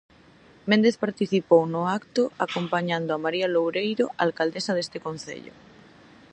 Méndez participou no acto acompañando a María Loureiro, alcaldesa deste Concello.